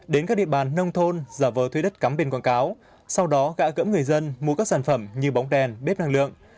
đến các địa bàn nông thôn giả vờ thuê đất cắm biển quảng cáo sau đó gã gẫm người dân mua các sản phẩm như bóng đèn bếp năng lượng